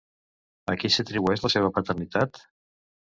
A qui s'atribueix la seva paternitat?